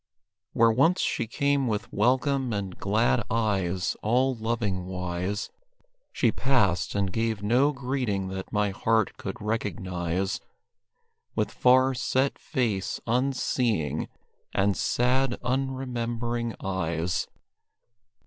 Where once she came with welcome and glad eyes, all loving wise, She passed, and gave no greeting that my heart could recognize, With far, set face, unseeing, and sad, unremembering eyes.